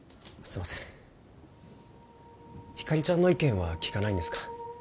すいませんひかりちゃんの意見は聞かないんですか？